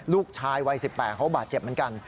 ลูกชายวัย๑๘เขาบาดเจ็บเหมือนกัน